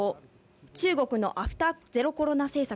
中国のアフターゼロコロナ政策。